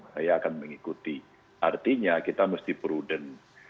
saya akan mengikuti artinya kita mesti prudent